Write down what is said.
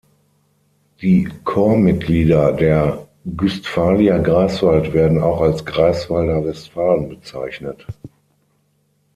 Die Corpsmitglieder der Guestfalia Greifswald werden auch als „Greifswalder Westfalen“ bezeichnet.